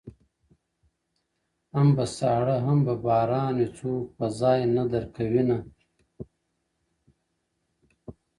• هم ساړه هم به باران وي څوک به ځای نه در کوینه,